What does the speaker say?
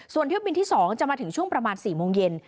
ส่วนเที่ยวบินที่๒จะมาถึงช่วงประมาณ๔โมงเย็น